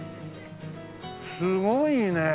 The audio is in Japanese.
すごいねえ。